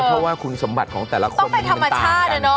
เพราะว่าคุณสมบัติของแต่ละคนนี้มันต่างกัน